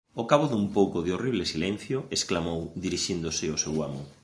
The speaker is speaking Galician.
Ó cabo dun pouco de horrible silencio, exclamou, dirixíndose ó seu amo: